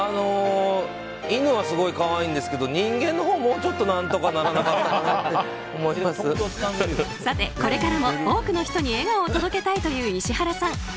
犬はすごい可愛いんですけど人間のほう、もうちょっと何とかならなかったかなってこれからも多くの人に笑顔を届けたいという石原さん。